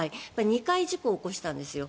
２回事故を起こしたんです。